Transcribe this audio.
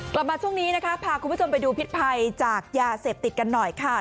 กลับมาช่วงนี้นะคะพาคุณผู้ชมไปดูพิษภัยจากยาเสพติดกันหน่อยค่ะ